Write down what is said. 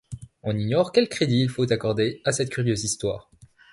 On ignore quel crédit il faut accorder à cette curieuse histoire.